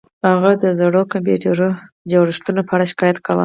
هغه د زړو کمپیوټري جوړښتونو په اړه شکایت کاوه